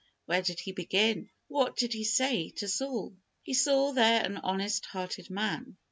Where did He begin? What did He say to Saul? He saw there an honest hearted man.